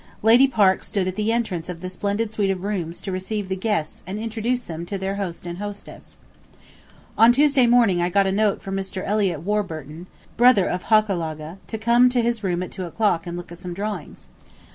Lady Parke stood at the entrance of the splendid suite of rooms to receive the guests and introduce them to their host and hostess. On Tuesday morning I got a note from Mr. Eliot Warburton (brother of "Hochelaga") to come to his room at two o'clock and look at some drawings.